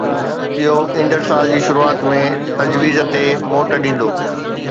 اهو ايندڙ سال جي شروعات ۾ تجويز تي موٽ ڏيندو